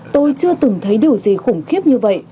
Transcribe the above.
tôi chưa từng thấy điều gì khủng khiếp như vậy